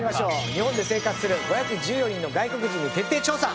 日本で生活する５１４人の外国人に徹底調査。